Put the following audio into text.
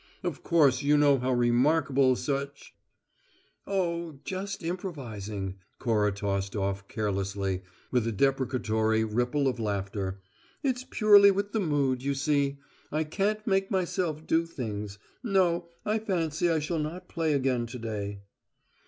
Of course you know how remarkable such " "Oh, just improvising," Cora tossed off, carelessly, with a deprecatory ripple of laughter. "It's purely with the mood, you see. I can't make myself do things. No; I fancy I shall not play again today."